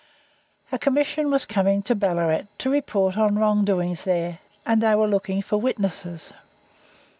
A Commission was coming to Ballarat to report on wrong doings there, and they were looking for witnesses.